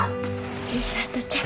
美里ちゃん。